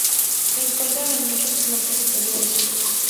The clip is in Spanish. Se encuentran en muchas plantas superiores.